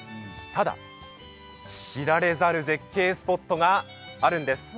ただ、知られざる絶景スポットがあるんです。